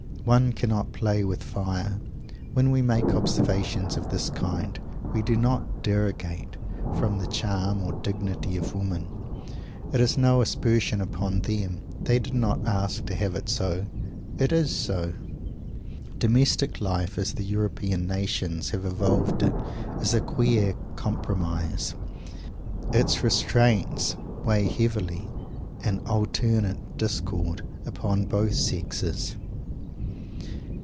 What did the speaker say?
One cannot play with fire. When we make observations of this kind we do not derogate from the charm or dignity of women. It is no aspersion upon them. They did not ask to have it so. It is so. Domestic life as the European nations have evolved it is a queer compromise. Its restraints weigh heavily, in alternate discord, upon both sexes.